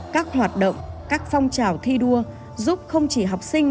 các hoạt động các phong trào thi đua giúp không chỉ học sinh